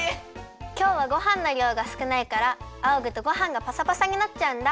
きょうはごはんのりょうがすくないからあおぐとごはんがパサパサになっちゃうんだ。